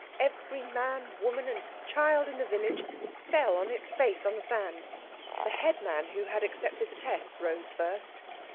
Every man, woman, and child in the village fell on its face on the sand. The headman who had accepted the test rose first.